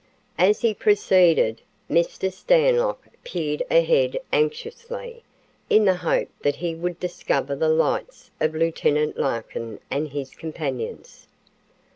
As he proceeded, Mr. Stanlock peered ahead anxiously, in the hope that he would discover the lights of Lieutenant Larkin and his companions.